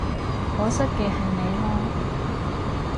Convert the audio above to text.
可惜嘅係你囉